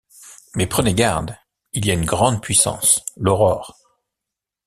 Mais prenez garde, il y a une grande puissance, l’aurore.